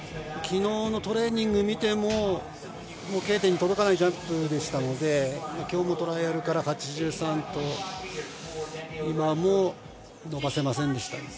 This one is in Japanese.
昨日のトレーニングを見ても、Ｋ点に届かないジャンプでしたので、今日もトライアルから８３と、今も伸ばせませんでした。